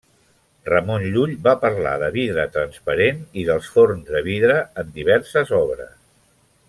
Ramon Llull va parlar de vidre transparent i dels forns de vidre en diverses obres.